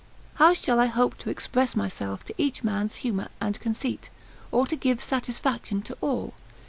How shall I hope to express myself to each man's humour and conceit, or to give satisfaction to all?